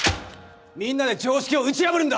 みんなで常識を打ち破るんだ！